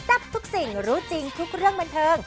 ทับทุกสิ่งรู้จริงทุกเรื่องบันเทิง